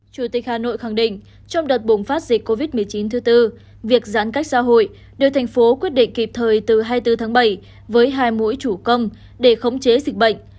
chủ tịch hà nội khẳng định trong đợt bùng phát dịch covid một mươi chín thứ tư việc giãn cách xã hội được thành phố quyết định kịp thời từ hai mươi bốn tháng bảy với hai mũi chủ công để khống chế dịch bệnh